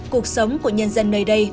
cuộc sống của nhân dân nơi đây